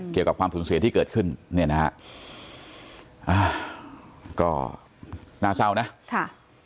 ความสูญเสียที่เกิดขึ้นเนี่ยนะฮะอ่าก็น่าเศร้านะค่ะ